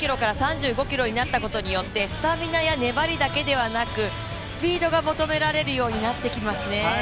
５０ｋｍから３５ｋｍになったことによってスタミナや粘りだけでなくスピードが求められるようになってきますね。